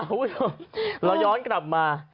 อ้าวเราย้อนกลับมา